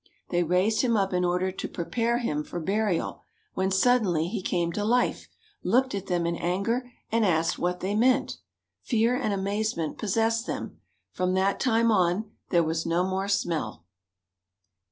They raised him up in order to prepare him for burial, when suddenly he came to life, looked at them in anger, and asked what they meant. Fear and amazement possessed them. From that time on there was no more smell.